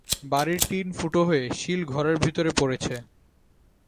বাড়ির টিন ফুটো হয়ে শিল ঘরের ভেতরে পড়েছে।